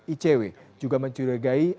icw juga mencurigai